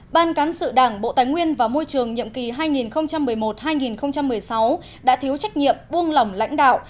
ban cán sự đảng bộ tài nguyên và môi trường nhiệm kỳ hai nghìn một mươi một hai nghìn một mươi sáu đã thiếu trách nhiệm buông lỏng lãnh đạo